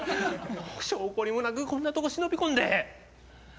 性懲りもなくこんなとこ忍び込んで！